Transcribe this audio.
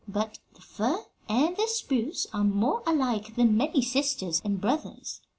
But the fir and the spruce are more alike than many sisters and brothers.